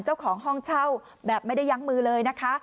เจ้าของห้องเช่าแบบไม่ได้ยั้งมือเลยนะคะ